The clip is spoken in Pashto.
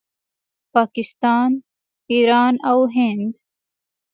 پاکستان، ایران او هند